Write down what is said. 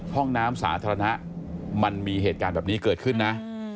ห้องน้ำสาธารณะมันมีเหตุการณ์แบบนี้เกิดขึ้นนะ